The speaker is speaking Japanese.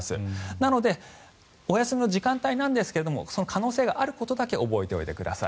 なのでお休みの時間帯なんですけれどもその可能性があることだけ覚えておいてください。